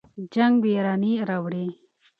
جنګ ویراني راوړي.